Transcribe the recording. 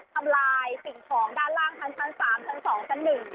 ทำลายสิ่งของด้านล่างทางสั่น๓ทางสั่น๒ทางสั่น๑